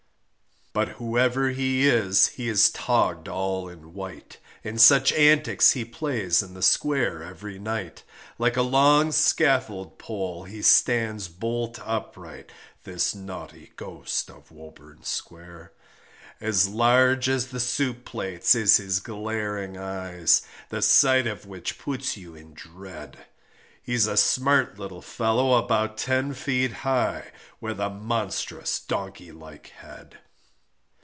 But whoever he is he is togg'd all in white, And such antics he plays in the square every night, Like a long scaffold pole he stands bolt upright, This naughty Ghost of Woburn Square, As large as the soup plates is his glaring eyes, The sight of which puts you in dread, He's a smart little fellow about ten feet high, With a monstrous donkey like head.